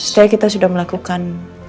setelah kita sudah melakukan